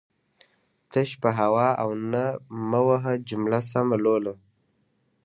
تش په هو او نه مه وهه جمله سمه لوله